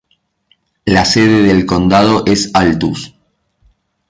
La sede del condado es Altus.